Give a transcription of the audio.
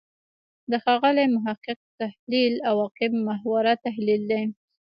د ښاغلي محق تحلیل «عواقب محوره» تحلیل دی.